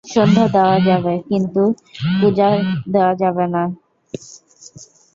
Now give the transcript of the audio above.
সন্ধ্যা দেওয়া যাবে কিন্তু পূজা দেওয়া যাবে না।